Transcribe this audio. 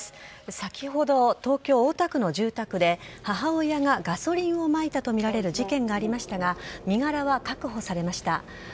先ほど、東京・大田区の住宅で母親がガソリンをまいたとみられる事件がありましたが身柄は確保されました。